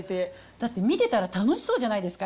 だって見てたら楽しそうじゃないですか。